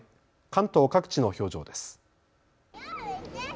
関東各地の表情です。